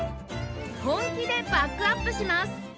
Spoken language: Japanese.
本気でバックアップします